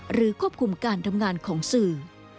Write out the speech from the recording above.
ควบคุมการทำงานของสื่อ